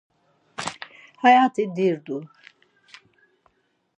Aya-ti dirdu.